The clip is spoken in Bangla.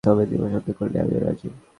তবে তুই পছন্দ করলে আমিও রাজী।